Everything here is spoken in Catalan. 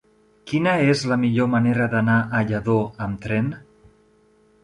Quina és la millor manera d'anar a Lladó amb tren?